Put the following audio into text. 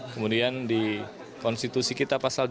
kemudian di konstitusi kita pasal dua puluh